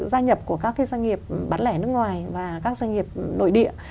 gia nhập của các doanh nghiệp bán lẻ nước ngoài và các doanh nghiệp nội địa